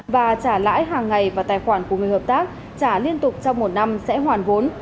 và trả lãi hàng ngày vào tài khoản của người hợp tác trả liên tục trong một năm sẽ hoàn vốn